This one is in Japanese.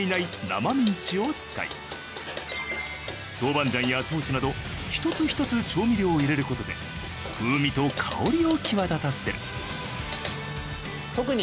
生ミンチを使い豆板醤や豆など一つ一つ調味料を入れる事で風味と香りを際立たせる。